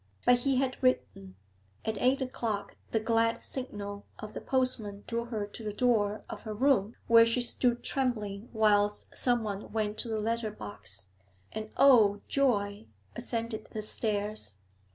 But he had written; at eight o'clock the glad signal of the postman drew her to the door of her room where she stood trembling whilst someone went to the letter box, and oh, joy! ascended the stairs.